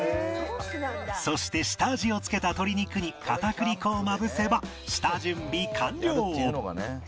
そして下味をつけた鶏肉に片栗粉をまぶせば下準備完了